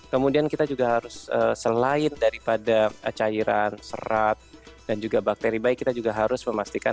kemudian kita juga harus selain daripada cairan serat dan juga bakteri baik